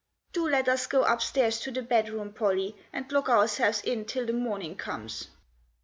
" Do let us go upstairs to the bedroom, Pollie, and lock ourselves in till the morning comes."